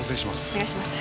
お願いします